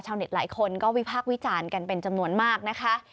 หลายคนก็วิพากษ์วิจารณ์กันเป็นจำนวนมากนะคะ